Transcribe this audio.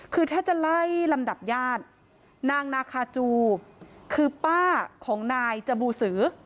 คือถ้าจะไล่ลำดับญาตินางนาคาจูคือป้าของนายจบูสือ